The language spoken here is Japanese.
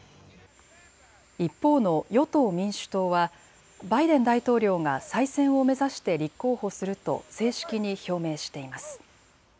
一方の与党・民主党はバイデン大統領が再選を目指して立候補すると正式に表明しています。